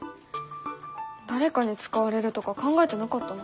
誰かに使われるとか考えてなかったな。